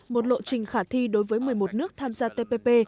một lộ trình khả thi đối với một mươi một nước tham gia tpp